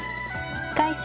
１回戦